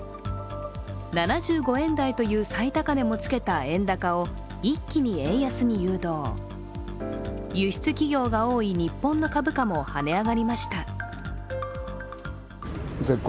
７５円台という最高値をつけた円高を一気に円安に誘導輸出企業が多い日本の株価もはね上がりました。